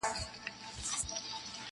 رډي سترګي یې زمري ته وې نیولي -